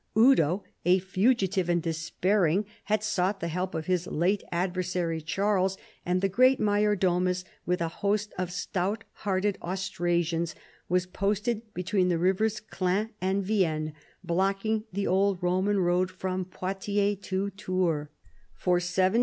Eudo, a fugitive luid despairing, had sought the help of his late ad versary Charles, and the great inajor domus with a host of stout hearted Austrasians was posted be tween the rivers Clain and Vienne, blocking the old Roman road from Poitiers to Tours. For seven.